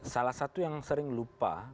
salah satu yang sering lupa